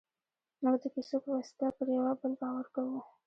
موږ د کیسو په وسیله پر یوه بل باور کوو.